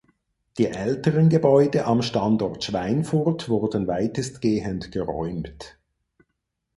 Die älteren Gebäude am Standort Schweinfurt wurden weitestgehend geräumt.